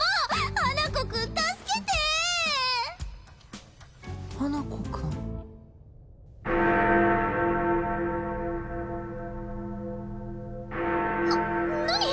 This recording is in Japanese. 花子くん助けて花子くんな何？